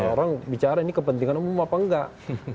orang bicara ini kepentingan umum apa enggak